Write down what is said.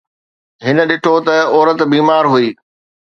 هن ڏٺو ته عورت بيمار هئي